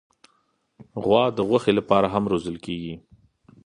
غوا د غوښې لپاره هم روزل کېږي.